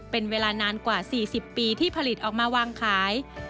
เป็นเวลานานกว่า๔๐ปีที่ผลิตออกมาวางขาย